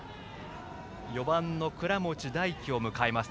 ４番の倉持大希を迎えます。